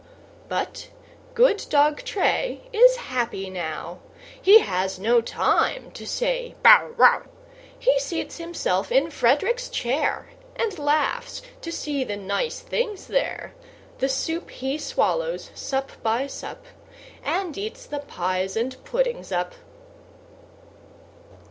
But good dog Tray is happy now; He has no time to say "Bow wow!" He seats himself in Frederick's chair And laughs to see the nice things there: The soup he swallows, sup by sup And eats the pies and puddings up.